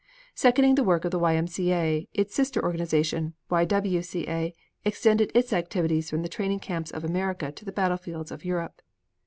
Seconding the work of the Y. M. C. A., its sister organization, the Y. W. C. A., extended its activities from the training camps of America to the battle fields of Europe.